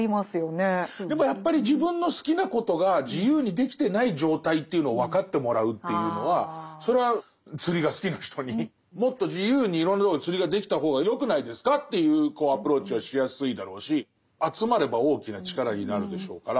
でもやっぱり自分の好きなことが自由にできてない状態というのを分かってもらうというのはそれは釣りが好きな人にもっと自由にいろんなとこで釣りができた方がよくないですかというアプローチはしやすいだろうし集まれば大きな力になるでしょうから。